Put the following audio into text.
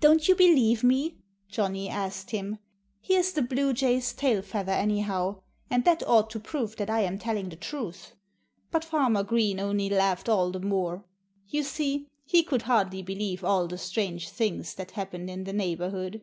"Don't you believe me?" Johnnie asked him. "Here's the blue jay's tail feather, anyhow. And that ought to prove that I am telling the truth." But Farmer Green only laughed all the more. You see, he could hardly believe all the strange things that happened in the neighborhood.